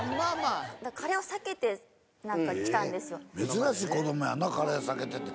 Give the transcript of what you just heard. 珍しい子供やなカレー避けてて。